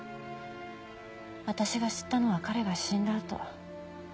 私が知ったのは彼が死んだあと。